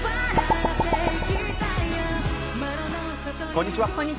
こんにちは。